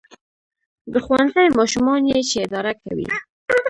• د ښوونځي ماشومان یې چې اداره کوي.